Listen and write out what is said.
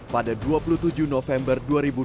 pada dua puluh tujuh november dua ribu dua puluh